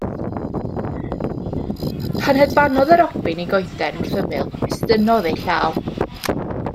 Pan hedfanodd y robin i goeden wrth ymyl estynnodd ei llaw.